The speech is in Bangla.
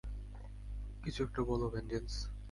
কিছু একটা বলো, ভেনজেন্স।